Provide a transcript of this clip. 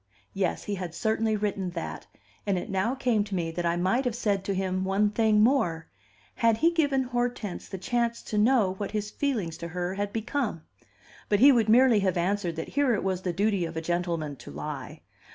Yes; he had certainly written that, and it now came to me that I might have said to him one thing more: Had he given Hortense the chance to know what his feelings to her had become? But he would merely have answered that here it was the duty of a gentleman to lie.